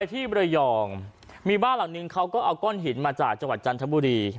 ที่บรยองมีบ้านหลังนึงเขาก็เอาก้อนหินมาจากจังหวัดจันทบุรี